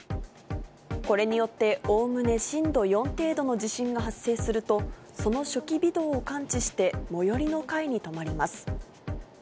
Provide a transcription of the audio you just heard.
これによって、おおむね震度４程度の地震が発生すると、その初期微動を感知して、最寄りの階に止まります。